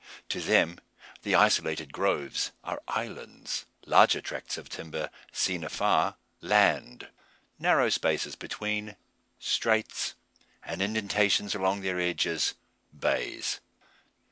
To them the isolated groves are "islands;" larger tracts of timber, seen afar, "land;" narrow spaces between, "straits;" and indentations along their edges "bays."